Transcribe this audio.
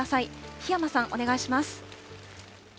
檜山さん、お願いします。